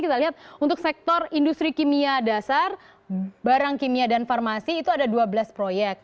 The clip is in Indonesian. kita lihat untuk sektor industri kimia dasar barang kimia dan farmasi itu ada dua belas proyek